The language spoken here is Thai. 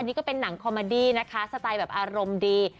นี่ก็เป็นหนังคอมมาดี้นะคะสไตล์แบบอารมณ์ดี